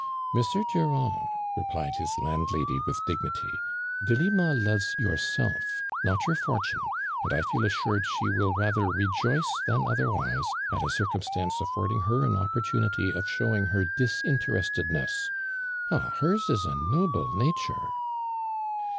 "Mr. Durand," replied his landlady, with dignity, " Delima loves yourself, not your I fortune, and I feel assured she will rather rejoice than otherwise, at a circumstance I affording her an opportunity of showing 48 ARMAND DURAND. her disinterestcdneRs. Ah, licrs in a noble nature